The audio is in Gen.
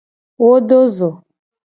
Wo do zo.